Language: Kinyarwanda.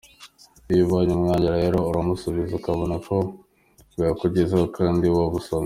Iyo ubonye umwanya rero uramusubiza akabona ko bwakugezeho kandi wabusomye.